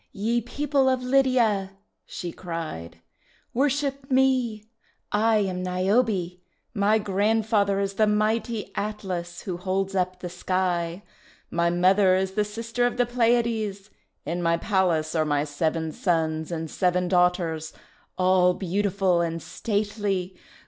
"Ye people of Lydia," she cried, "worship me! I am Niobe! My grandfather is the mighty Atlas who holds up the sky. My mother is the sister of the Pleiades. In my palace are my seven sons and seven daughters, all beauti ful and stately.